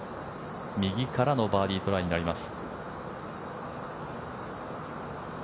右からのバーディートライになります。